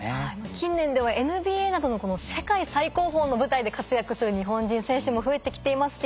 近年ではＮＢＡなどの世界最高峰の舞台で活躍する日本人選手も増えてきていますし。